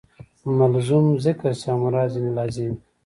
ملزوم ذکر سي او مراد ځني لازم يي.